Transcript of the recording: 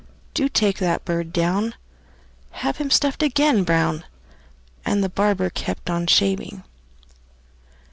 Do take that bird down; Have him stuffed again, Brown!" And the barber kept on shaving.